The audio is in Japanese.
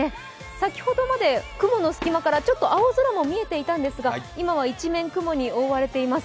先ほどまで雲の隙間から青空も見えていたんですが今は一面雲に覆われています。